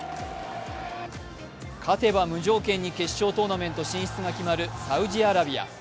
勝てば無条件に決勝トーナメント進出が決まるサウジアラビア。